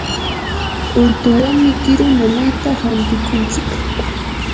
ultuwanmi kiru nanayta hampikuntsik.